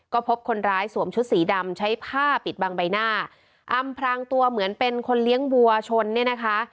ก็พบคนร้ายสวมชุดสีดำใช้ผ้าปิดบังใบหน้าอำพรางตัวเหมือนเป็นคนเลี้ยงวัวชนเนี่ยนะคะ